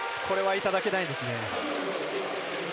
これはいただけないですね。